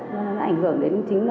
nó ảnh hưởng đến chính